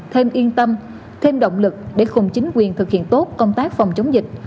thêm yên tâm thêm động lực để cùng chính quyền thực hiện tốt công tác phòng chống dịch